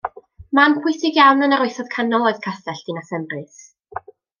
Man pwysig iawn yn yr Oesoedd Canol oedd Castell Dinas Emrys.